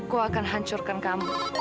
aku akan hancurkan kamu